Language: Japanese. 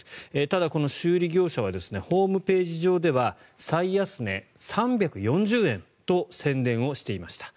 ただ、この修理業者はホームページ上では最安値３４０円と宣伝をしていました。